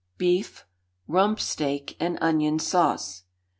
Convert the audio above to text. Beef (Rump) Steak and Onion Sauce.